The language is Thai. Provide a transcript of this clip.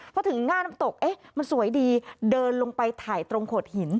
พอถึงหน้าน้ำตกเอ๊ะมันสวยดีเดินลงไปถ่ายตรงโขดหิน